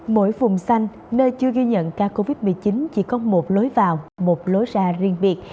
mỗi phùng xanh nơi chưa ghi nhận ca covid một mươi chín chỉ có một lối vào một lối ra riêng biệt